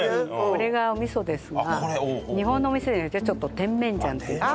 これがお味噌ですが日本のお味噌じゃなくてちょっと甜麺醤っていう。